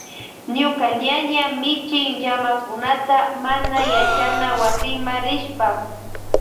Ñuka ñaña michin llamakunata mana yachana wasima rishpa.